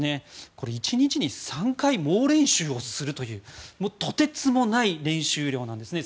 これ、１日に３回猛練習をするというとてつもない練習量なんですね。